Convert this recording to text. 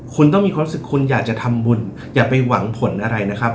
คุณต้องมีความรู้สึกคุณอยากจะทำบุญอย่าไปหวังผลอะไรนะครับ